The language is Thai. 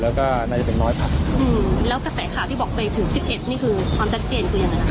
แล้วก็น่าจะเป็นน้อยผัก